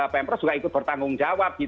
pemprov juga ikut bertanggung jawab